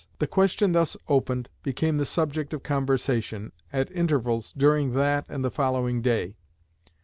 The question thus opened became the subject of conversation, at intervals, during that and the following day.